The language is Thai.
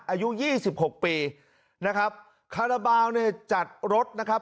อายุ๒๖ปีนะครับขาลาบาลฝ์จัดรถนะครับ